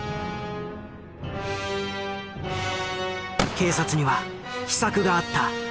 警察には秘策があった。